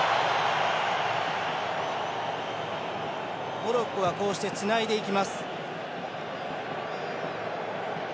モロッコはこうしてつないでいきます。